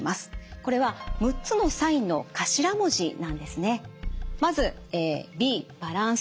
これは６つのサインの頭文字なんですね。